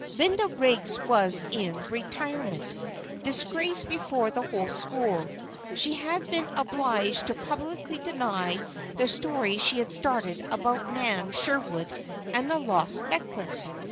Linda Riggs was in retirement, disgraced before the whole school. She had been obliged to publicly deny the story she had started about Nan Sherwood and the lost necklace.